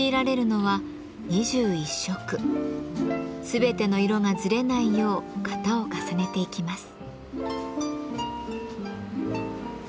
全ての色がずれないよう型を重ねていきます。